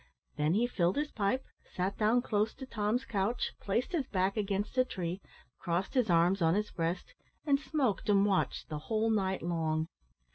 Then he filled his pipe, sat down close to Tom's couch, placed his back against a tree, crossed his arms on his breast, and smoked and watched the whole night long.